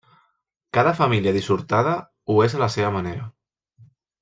Cada família dissortada ho és a la seva manera.